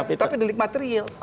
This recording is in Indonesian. dia delik material